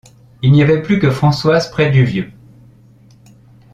Il n’y avait plus que Françoise près du vieux.